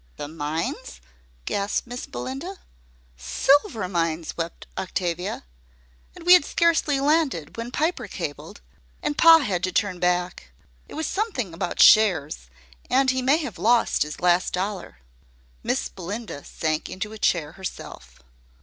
"The mines?" gasped Miss Belinda. "S silver mines," wept Octavia. "And we had scarcely landed when Piper cabled, and pa had to turn back. It was something about shares, and he may have lost his last dollar." Miss Belinda sank into a chair herself.